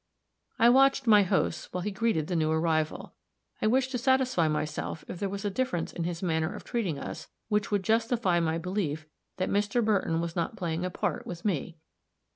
I watched my host while he greeted the new arrival; I wished to satisfy myself if there was a difference in his manner of treating us which would justify my belief that Mr. Burton was not playing a part with me.